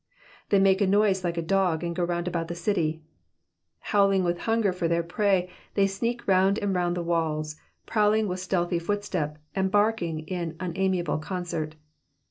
''''They make a noise like a dog^ and go round about the city.'*'' Howling with hunger for their prey, they sneak round and round the walls, prowling with stealthy footstep, and barking in unamiable concert.